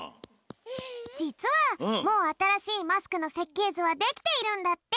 じつはもうあたらしいマスクのせっけいずはできているんだって！